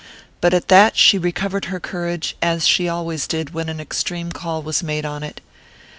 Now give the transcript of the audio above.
But at that she recovered her courage, as she always did when an extreme call was made on it.